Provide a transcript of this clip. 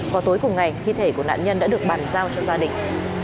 vào tối cùng ngày thi thể của nạn nhân đã được bàn giao cho gia đình